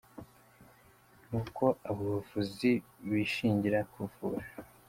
N’uko abo bavuzi bishingira kuvura